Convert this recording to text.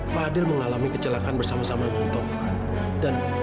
fadil mengalami kecelakaan bersama sama dengan taufan